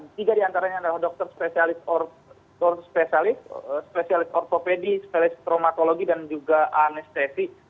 tiga diantaranya adalah dokter spesialis spesialis ortopedi spesialis traumatologi dan juga anestesi